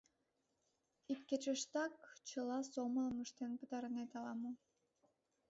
— Ик кечыштак чыла сомылым ыштен пытарынет ала-мо?